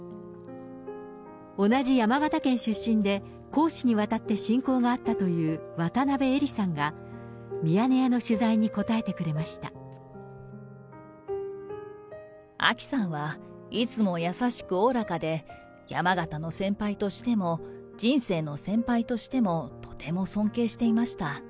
同じ山形県出身で、公私にわたって親交があったという渡辺えりさんが、ミヤネ屋の取あきさんは、いつも優しくおおらかで、山形の先輩としても、人生の先輩としても、とても尊敬していました。